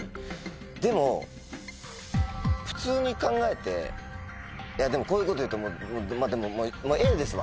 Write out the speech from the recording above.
でも普通に考えていやでもこういうこと言うとまぁでもＡですわ。